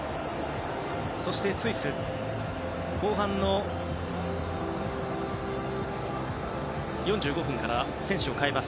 そして、スイスは後半から選手を代えます。